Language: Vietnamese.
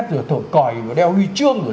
rồi thổ còi đeo huy chương rồi